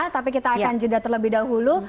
tapi kita akan jeda terlebih dahulu